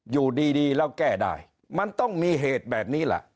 อยู่ดีแล้วแก้ได้มันต้องมีเหตุแบบนี้ล่ะ